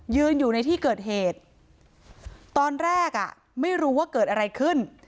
อยู่ในที่เกิดเหตุตอนแรกอ่ะไม่รู้ว่าเกิดอะไรขึ้น